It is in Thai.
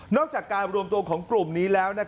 จากการรวมตัวของกลุ่มนี้แล้ว